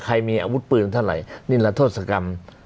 ใครมีอาวุธปืนเท่าไหร่นี่แหละโทษกรรม